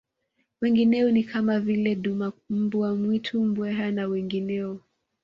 Wengineo ni kama vile duma mbwa mwitu mbweha na wengineo